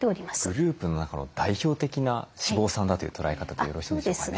グループの中の代表的な脂肪酸だという捉え方でよろしいんでしょうかね。